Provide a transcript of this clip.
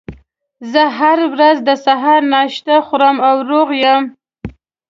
زه هره ورځ د سهار ناشته خورم او روغ یم